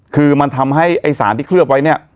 คือมันทำให้ไอ้สารที่เคลือบไว้เนี่ย